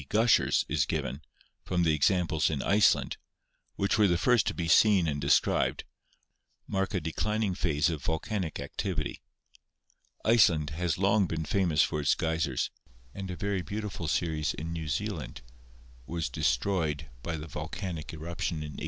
gushers — is given, from the examples in Iceland, which were the first to be seen and described, mark a declining phase of volcanic activity. Iceland has long been famous for its geysers, and a very beautiful series in New Zealand was destroyed by the vol canic eruption in 1886.